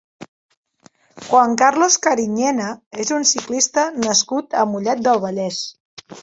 Juan Carlos Cariñena és un ciclista nascut a Mollet del Vallès.